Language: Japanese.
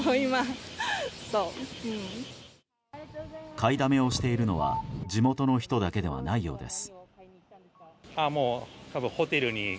買いだめをしているのは地元の人だけではないようです。